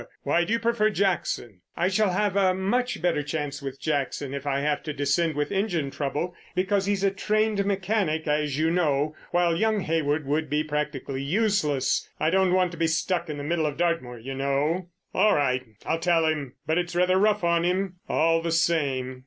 Why do you prefer Jackson?" "I shall have a much better chance with Jackson if I have to descend with engine trouble, because he's a trained mechanic, as you know, while young Hayward would be practically useless. I don't want to be stuck in the middle of Dartmoor, you know!" "All right, I'll tell him; but it's rather rough on him, all the same."